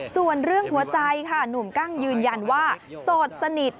ส่วนเรื่องหัวใจค่ะหนุ่มกั้งยืนยันว่าโสดสนิท